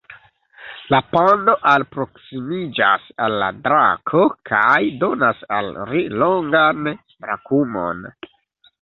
La pando alproksimiĝas al la drako, kaj donas al ri longan brakumon.